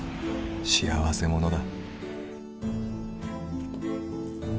「幸せ者だ」